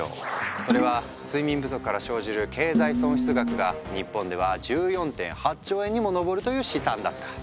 それは睡眠不足から生じる経済損失額が日本では１４．８兆円にも上るという試算だった。